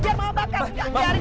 biar mama bakar